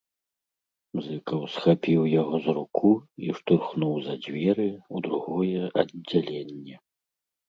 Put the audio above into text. Зыкаў схапіў яго за руку і штурхнуў за дзверы, у другое аддзяленне.